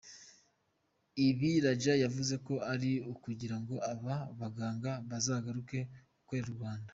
Ibi Raja yavuze ko ari ukugira ngo aba baganga bazagaruke gukorera u Rwanda.